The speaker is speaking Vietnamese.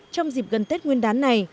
trong dịp gần tết nguyên đán này